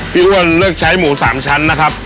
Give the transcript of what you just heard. อ้วนเลือกใช้หมู๓ชั้นนะครับ